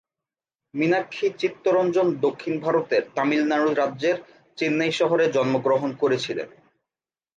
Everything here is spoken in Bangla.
মীনাক্ষী চিত্তরঞ্জন দক্ষিণ ভারতের তামিলনাড়ু রাজ্যের চেন্নাই শহরে জন্মগ্রহণ করেছিলেন।